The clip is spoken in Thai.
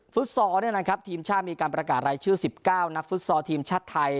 ฟอร์ทีมชาติมีการประกาศรายชื่อ๑๙นักฟุตซอลทีมชาติไทย